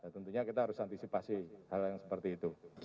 tentunya kita harus antisipasi hal yang seperti itu